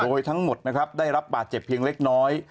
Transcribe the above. โดยทั้งหมดนะครับได้รับบาดเจ็บเพียงเล็กน้อย